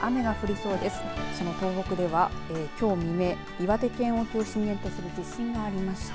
その東北では、きょう未明岩手県沖を震源とする地震がありました。